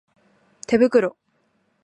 手袋